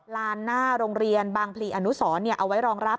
ลานหน้าโรงเรียนบางพลีอนุสรเอาไว้รองรับ